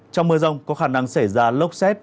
trong mưa rông có khả năng xảy ra lốc xét